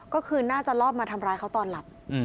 ก็คือน่าจะรอบมาทำร้ายเขาตอนหลับ